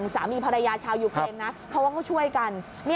สามีภรรยาชาวยุเครนนะเขาก็ช่วยกัน